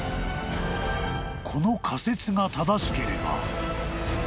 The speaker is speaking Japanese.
［この仮説が正しければ］